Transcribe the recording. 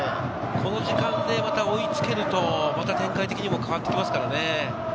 この時間で追いつけると、また展開的にも変わってきますからね。